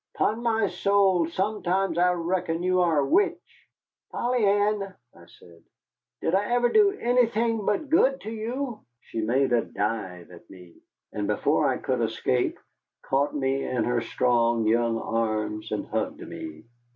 "'Pon my soul, sometimes I reckon you are a witch." "Polly Ann," I said, "did I ever do anything but good to you?" She made a dive at me, and before I could escape caught me in her strong young arms and hugged me.